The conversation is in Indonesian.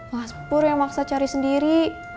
mas pur yang maksa cari sendiri